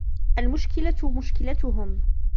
المُشكِلةُ مُشكِلتهم